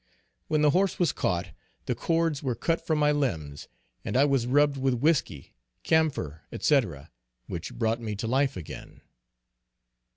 When the horse was caught the cords were cut from my limbs, and I was rubbed with whiskey, camphor, &c, which brought me to life again.